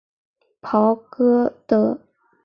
鲍戈德。